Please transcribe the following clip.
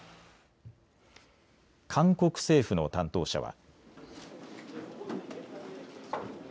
韓国政府の担当者は。